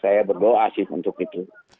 saya berdoa sih untuk itu